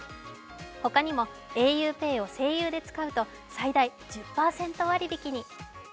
他にもａｕＰＡＹを西友で使うと最大１０％割り引きに。